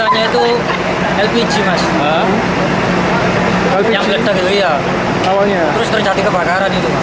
waktu mas tahu itu di dapur ya berarti ya